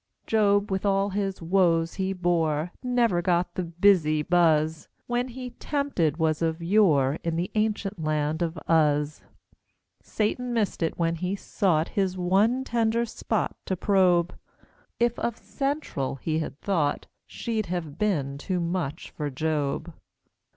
Job, with all the woes he bore, Never got the "busy" buzz When he tempted was of yore In the ancient land of Uz. Satan missed it when he sought His one tender spot to probe; If of "central" he had thought, She'd have been too much for Job!